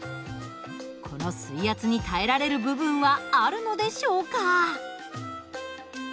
この水圧に耐えられる部分はあるのでしょうか？